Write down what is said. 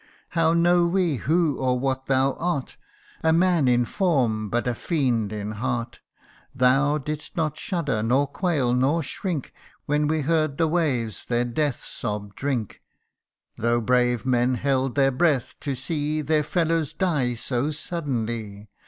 How know we who or what thou art, A man in form, but a fiend in heart ! Thou didst not shudder, nor quail, nor shrink, When we heard the waves their death sob drink ; Though brave men held their breath, to see Their fellows die so suddenly